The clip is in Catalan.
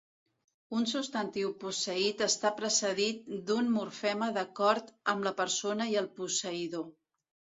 Un substantiu posseït està precedit d'un morfema d'acord amb la persona i el posseïdor.